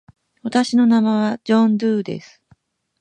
私の名前はジョン・ドゥーです。